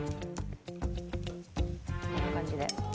こんな感じで。